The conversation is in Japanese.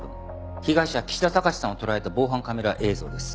被害者岸田貴志さんを捉えた防犯カメラ映像です。